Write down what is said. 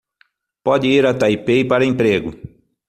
Pode ir a Taipei para emprego